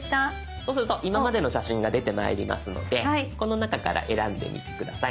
そうすると今までの写真が出てまいりますのでこの中から選んでみて下さい。